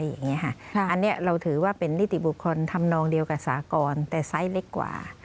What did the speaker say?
อันนี้เราถือว่าเป็นนิติบุคคลทำนองเดียวกับสากรแต่ไซส์เล็กกว่า